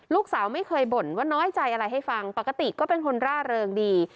ลูกสาวไม่เคยบ่นว่าน้อยใจอะไรให้ฟังปกติก็เป็นคนร่าเริงดี